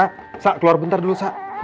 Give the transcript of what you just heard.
elsa keluar bentar dulu elsa